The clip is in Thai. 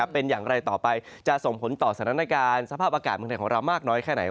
เป็นอย่างไรต่อไปจะส่งผลต่อสถานการณ์สภาพอากาศเมืองไทยของเรามากน้อยแค่ไหน